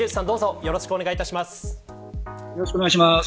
よろしくお願いします。